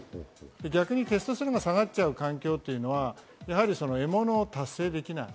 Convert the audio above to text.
逆にテストステロンが下がっちゃう環境は獲物を達成できない。